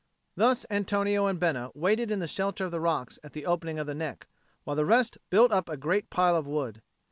Thus Antonio and Bena waited in the shelter of the rocks at the opening of the neck, while the rest built up a great pile of wood.